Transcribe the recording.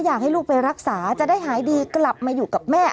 อยากให้ลูกไปรักษาจะได้หายดีกลับมาอยู่กับแม่